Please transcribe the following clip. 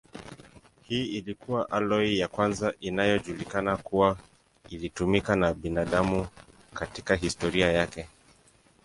Hii ilikuwa aloi ya kwanza inayojulikana kuwa ilitumiwa na binadamu katika historia yake.